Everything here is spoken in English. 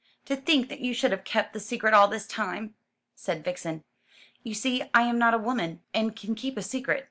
"To think that you should have kept the secret all this time!" said Vixen. "You see I am not a woman, and can keep a secret.